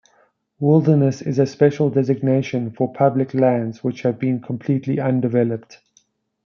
Wilderness is a special designation for public lands which have been completely undeveloped.